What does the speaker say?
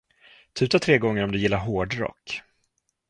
Tuta tre gånger om du gillar hårdrock